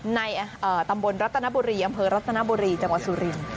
ในตำบลรัตนบุรีอำเภอรัตนบุรีจังหวัดสุรินทร์